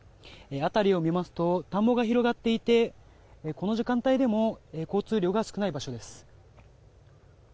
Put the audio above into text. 辺りは田んぼが広がっていてこの時間帯でも交通量が少ない場所です。